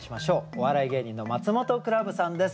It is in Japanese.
お笑い芸人のマツモトクラブさんです。